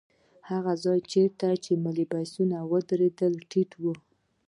هغه ځای چېرته چې بسونه ودرېدل ټيټ و.